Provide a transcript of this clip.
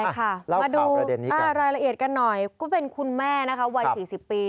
ใช่ค่ะมาดูรายละเอียดกันหน่อยก็เป็นคุณแม่นะคะวัย๔๐ปี